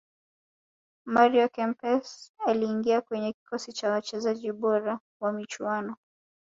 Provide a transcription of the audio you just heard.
mario kempes aliingia kwenye kikosi cha wachezaji bora wa michuano